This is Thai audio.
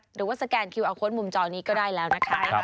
หรือว่าสแกนคิวเอาโค้ดมุมจอนี้ก็ได้แล้วนะครับ